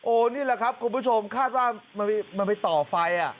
นี่แหละครับคุณผู้ชมคาดว่ามันไปต่อไฟ